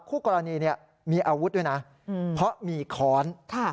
คู่กรณีเนี่ยมีอาวุธด้วยนะเพราะมีค้อน